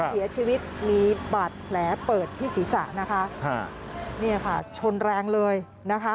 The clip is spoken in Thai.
เสียชีวิตมีบาดแผลเปิดที่ศีรษะนะคะเนี่ยค่ะชนแรงเลยนะคะ